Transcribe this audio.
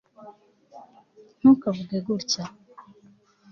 ntukavuge gutya